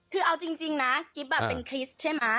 คือเอาจริงนะกิ๊บเป็นคริสต์ใช่ไหม